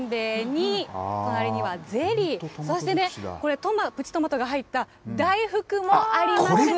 おせんべいに、隣にはゼリー、そしてこれ、プチトマトが入った大福もあります。